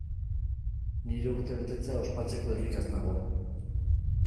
Nire urtebetetzea ospatzeko irrikaz nago!